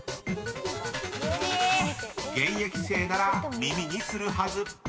［現役生なら耳にするはず］